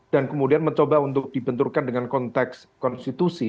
dan kemudian mencoba untuk dibenturkan dengan konteks konstitusi